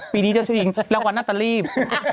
ปีนี้จะเข้าชิงแต่วันหน้าตะรีบ